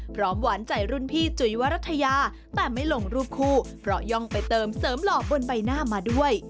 หวานใจรุ่นพี่จุ๋ยวรัฐยาแต่ไม่ลงรูปคู่เพราะย่องไปเติมเสริมหล่อบนใบหน้ามาด้วย